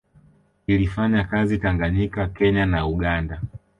Ilifanya kazi Tanganyika Kenya na Uganda